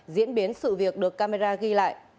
diễn biến sự việc được camera ghi lại